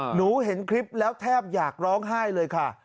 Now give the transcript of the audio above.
หนูเห็นคลิปแล้วแทบอยากร้องไห้เลยค่ะ